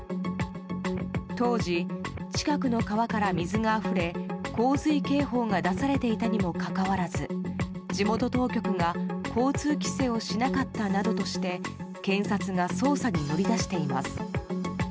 当時、近くの川から水があふれ洪水警報が出されていたにもかかわらず地元当局が交通規制をしなかったなどとして検察が捜査に乗り出しています。